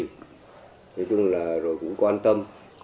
nói chung là rồi cũng quan tâm